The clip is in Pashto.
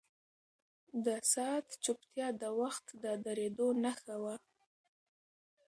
د ساعت چوپتیا د وخت د درېدو نښه وه.